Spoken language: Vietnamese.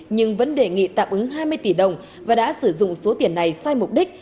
nhưng vẫn đề nghị tạm ứng hai mươi tỷ đồng và đã sử dụng số tiền này sai mục đích